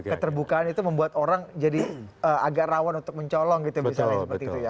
keterbukaan itu membuat orang jadi agak rawan untuk mencolong gitu misalnya